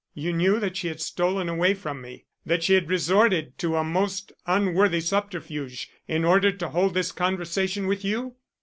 "You knew that she had stolen away from me that she had resorted to a most unworthy subterfuge in order to hold this conversation with you?"